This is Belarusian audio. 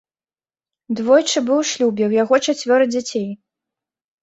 Двойчы быў у шлюбе, у яго чацвёра дзяцей.